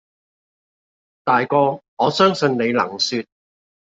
大哥，我相信你能説，